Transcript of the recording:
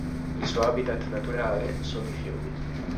Il suo habitat naturale sono i fiumi.